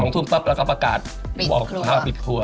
ทุ่มปั๊บเราก็ประกาศบอกว่าปิดครัว